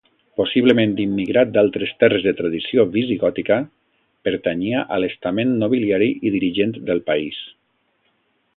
Possiblement immigrat d'altres terres de tradició visigòtica, pertanyia a l’estament nobiliari i dirigent del país.